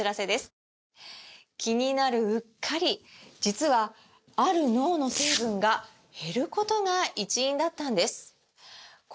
気になるうっかり実はある脳の成分が減ることが一因だったんです